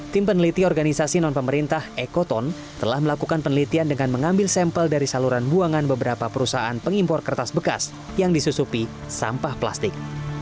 tim peneliti organisasi non pemerintah ekoton telah melakukan penelitian dengan mengambil sampel dari saluran buangan beberapa perusahaan pengimpor kertas bekas yang disusupi sampah plastik